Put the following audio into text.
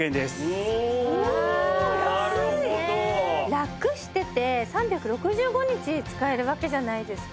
ラクしてて３６５日使えるわけじゃないですか。